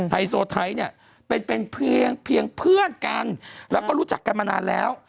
ไฮโซไทยเนี่ยเป็นเป็นเพียงเพื่อนกันแล้วก็รู้จักกันมานานแล้ว